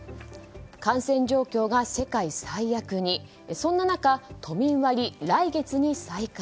感染状況が世界最悪にそんな中都民割、来月に再開。